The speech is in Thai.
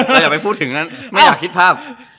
เราอยากไปพูดถึงนั้นไม่อยากคิดภาพ